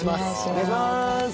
お願いします。